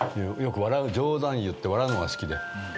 冗談言って笑うのが好きで。